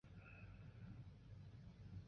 东汉永初元年犍为郡移治武阳县。